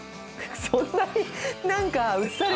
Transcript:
そんなに。